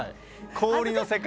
氷の世界！